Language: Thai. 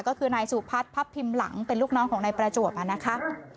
ก็คือนายสุพัฒน์พับพิมพ์หลังเป็นลูกน้องของนายประจวบนะคะ